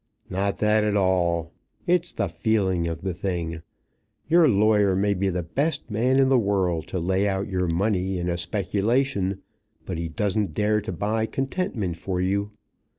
"Not that at all. It's the feeling of the thing. Your lawyer may be the best man in the world to lay out your money in a speculation, but he doesn't dare to buy contentment for you.